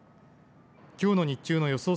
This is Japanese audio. きょうの日中の予想